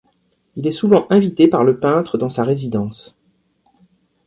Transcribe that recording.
Il est souvent invité par le peintre dans sa résidence.